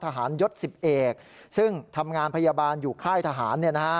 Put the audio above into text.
ทหารยุทธ์๑๑ซึ่งทำงานพยาบาลอยู่ไข้ทหาร